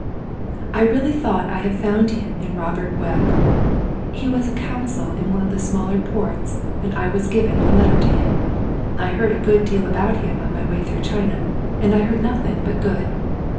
I really thought I had found him in Robert Webb. He was a consul in one of the smaller ports and I was given a letter to him. I heard a good deal about him on my way through China and I heard nothing but good.